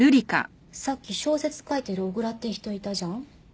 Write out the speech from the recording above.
さっき小説書いてる小倉って人いたじゃん？